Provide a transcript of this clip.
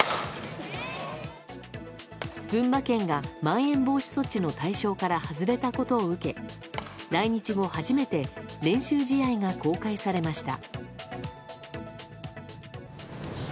群馬県がまん延防止措置の対象から外れたことを受け来日後初めて練習試合が公開されました。